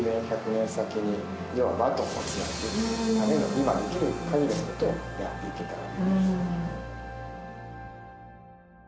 今できる限りのことをやっていけたら。